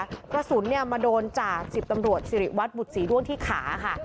กระสุนเนี่ยมาโดนจาก๑๐ตำรวจศิริวัตรบุตรศรีด้วนที่ขาค่ะ